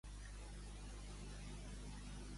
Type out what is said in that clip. I quin càrrec hi va obtenir aquí Mollà?